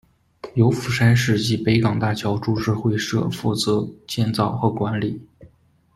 由釜山市及北港大桥株式会社负责建造和管理。